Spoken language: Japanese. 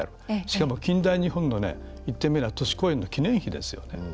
しかも、近代日本の言ってみれば都市公園の記念碑ですよね。